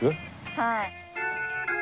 はい。